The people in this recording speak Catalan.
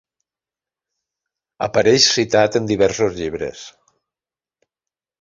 Apareix citat en diversos llibres.